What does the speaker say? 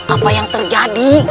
apa yang terjadi